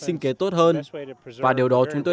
sinh kế tốt hơn và điều đó chúng tôi